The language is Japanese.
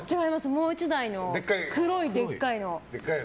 もう１台の黒いでかいの。